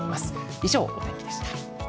以上、お天気でした。